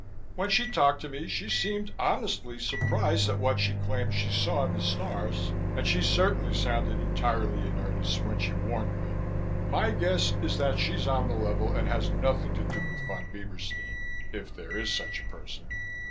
When she talked to me she seemed honestly surprised at what she claimed she saw in the stars and she certainly sounded entirely in earnest when she warned me. My guess is that she's on the level and has nothing to do with Von Bieberstein, if there is such a person."